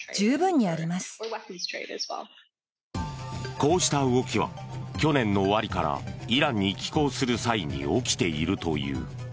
こうした動きは去年の終わりからイランに寄港する際に起きているという。